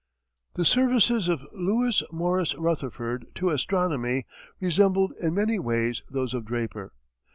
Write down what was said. The services of Lewis Morris Rutherford to astronomy resembled in many ways those of Draper.